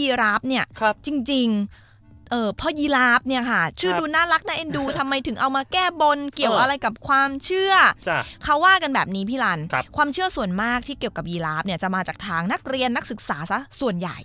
ม้าเหมือนกันม้าเหมือนกันแล้วตัวใหญ่ด้วย